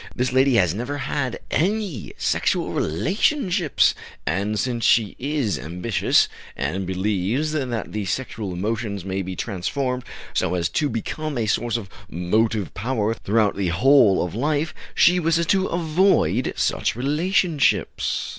This lady has never had any sexual relationships, and, since she is ambitious, and believes that the sexual emotions may be transformed so as to become a source of motive power throughout the whole of life, she wishes to avoid such relationships.